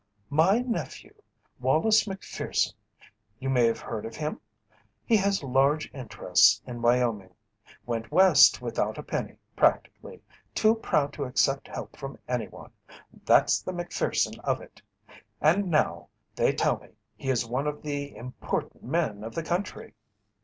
"My nephew, Wallace Macpherson you may have heard of him? He has large interests in Wyoming. Went West without a penny, practically; too proud to accept help from any one that's the Macpherson of it and now, they tell me, he is one of the important men of the country."